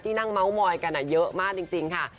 นั่งเม้ามอยกันเยอะมากจริงค่ะ